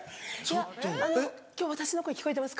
いやあの今日私の声聞こえてますか？